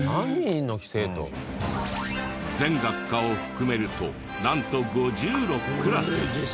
全学科を含めるとなんと５６クラス！